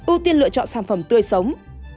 ưu tiên lựa chọn sản phẩm tươi sống